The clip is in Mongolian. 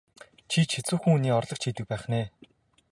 Чи ч хэцүүхэн хүний орлогч хийдэг байх нь ээ?